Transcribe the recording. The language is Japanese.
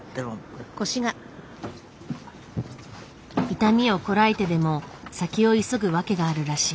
痛みをこらえてでも先を急ぐ訳があるらしい。